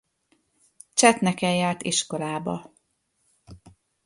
Csetneken járt iskolába.